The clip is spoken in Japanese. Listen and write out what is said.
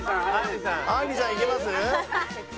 あんりさんいけます？